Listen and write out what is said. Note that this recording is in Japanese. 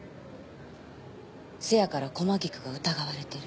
せやから駒菊が疑われてる。